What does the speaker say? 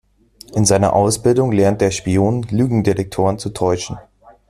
In seiner Ausbildung lernt der Spion, Lügendetektoren zu täuschen.